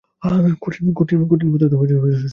কঠিন পদার্থ ধরা-ছোঁয়া যায়।